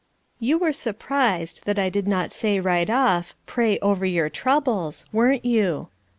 "You were surprised that I did not say right off, 'Pray over your troubles,' weren't you?